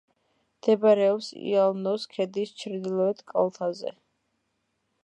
მდებარეობს იალნოს ქედის ჩრდილოეთ კალთაზე.